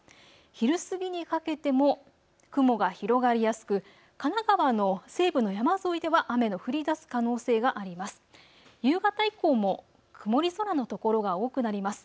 昼過ぎにかけても雲が広がりやすく神奈川の西部の山沿いでは雨の降りだす可能性があります。